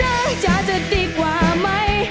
ถ้าเปลี่ยนเป็นจ๊ะจ๊ะจะดีกว่าไหม